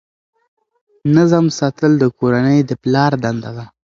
نظم ساتل د کورنۍ د پلار دنده ده.